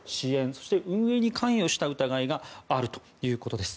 そして、運営に関与した疑いがあるということです。